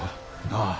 ・ああ。